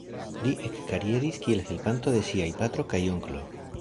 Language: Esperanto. Li ekkarieris kiel helpanto de siaj patro kaj onklo.